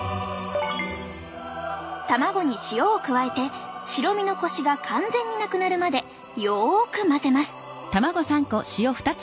卵に塩を加えて白身のこしが完全になくなるまでよく混ぜます。